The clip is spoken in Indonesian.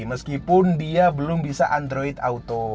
meskipun dia belum bisa android auto